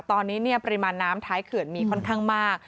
ตอนนี้ปริมาณน้ำท้ายเขื่อนมีค่อนข้างมาก